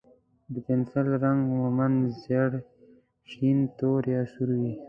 د پنسل رنګ عموماً ژېړ، شین، تور، یا سور وي.